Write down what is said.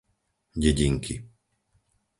Dedinky